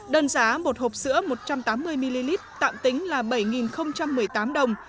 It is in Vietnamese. đơn giá một hộp sữa một trăm tám mươi ml tạm tính là bảy một mươi tám đồng